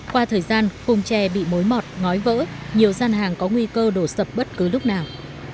qua thời gian khung tre bị mối mọt ngói vỡ nhiều gian hàng có nguy cơ đổ sập bất cứ lúc nào